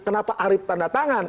kenapa arief tanda tangan